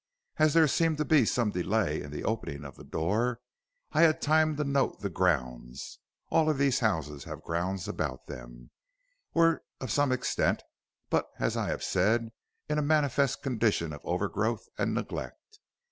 As there seemed to be some delay in the opening of the door, I had time to note that the grounds (all of these houses have grounds about them) were of some extent, but, as I have said, in a manifest condition of overgrowth and neglect.